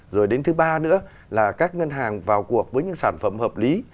rồi đến thứ ba nữa là các ngân hàng vào cuộc với những sản phẩm hợp lý